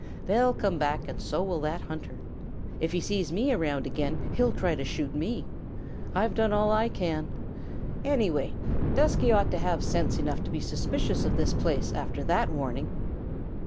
"They'll come back, and so will that hunter. If he sees me around again, he'll try to shoot me. I've done all I can do. Anyway, Dusky ought to have sense enough to be suspicious of this place after that warning.